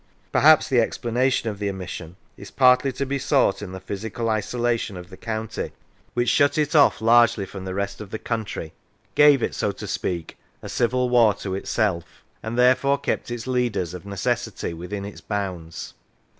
Perhaps the explanation of the omission is partly to be sought in the physical isolation of the county, which shut it off 89 M Lancashire largely from the rest of the country, gave it, so to speak, a Civil War to itself, and therefore kept its leaders, of necessity, within its bounds.